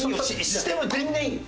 しても全然いいよ。